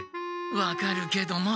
分かるけども。